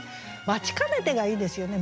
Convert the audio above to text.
「待ち兼ねて」がいいですよね